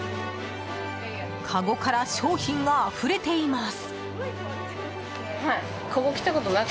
かごから商品があふれています。